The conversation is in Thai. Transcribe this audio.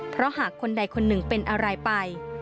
เพราะหากคนใดคนหนึ่งเป็นอะไรไป